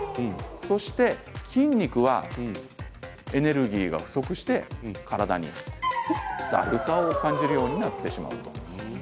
そして筋肉はエネルギーが不足して体にだるさを感じるようになってしまうと。